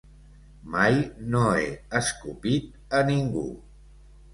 Mai no he escopit a ningú.